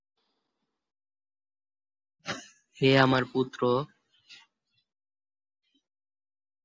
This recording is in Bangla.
হে আমার পুত্র!